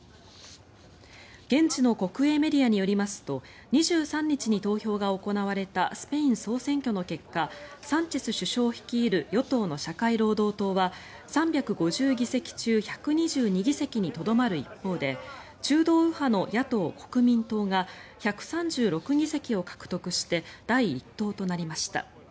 現地の国営メディアによりますと２３日に投票が行われたスペイン総選挙の結果サンチェス首相率いる与党の社会労働党は３５０議席中１２２議席にとどまる一方で中道右派の野党・国民党が１３６議席を獲得して第１党となりました。